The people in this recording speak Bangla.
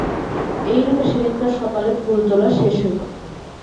এইরূপে সেদিনকার সকালে ফুল তোলা শেষ হইল।